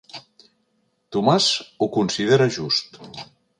Tomàs ho considera just.